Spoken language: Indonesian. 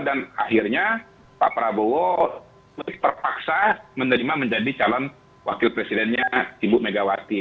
akhirnya pak prabowo terpaksa menerima menjadi calon wakil presidennya ibu megawati